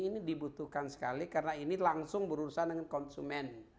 ini dibutuhkan sekali karena ini langsung berurusan dengan konsumen